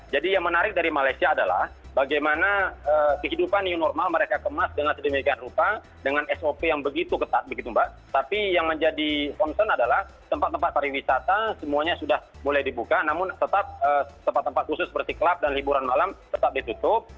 jadi yang menarik dari malaysia adalah bagaimana kehidupan yang normal mereka kemas dengan sedemikian rupa dengan sop yang begitu ketat tapi yang menjadi concern adalah tempat tempat pariwisata semuanya sudah boleh dibuka namun tetap tempat tempat khusus seperti klub dan liburan malam tetap ditutup